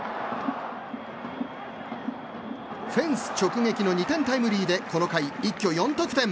フェンス直撃の２点タイムリーでこの回、一挙４得点。